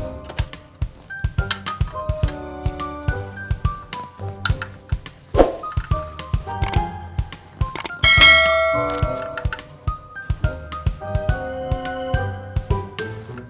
oh maksudnya si peak technical